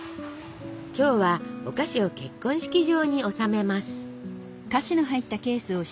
今日はお菓子を結婚式場に納めます。